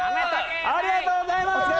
ありがとうございます。